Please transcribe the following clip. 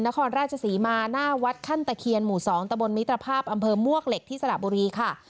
นครราชศรีมาหน้าวัดขั้นตะเคียนหมู่๒ตะบนมิตรภาพอำเภอมวกเหล็กที่สระบุรีค่ะ